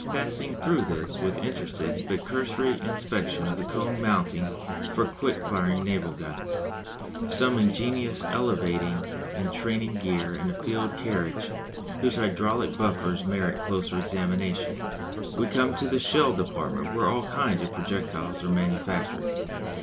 Passing through this with interested but cursory inspection of the cone mountings for quick firing naval guns, some ingenious elevating and training gear and a field carriage whose hydraulic buffers merit closer examination, we come to the shell department where all kinds of projectiles are manufactured.